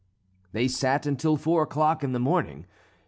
They sat until four o'clock in the morning.